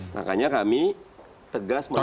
makanya kami tegas menolak